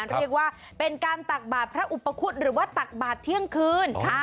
เรียกว่าเป็นการตักบาทพระอุปคุฎหรือว่าตักบาทเที่ยงคืน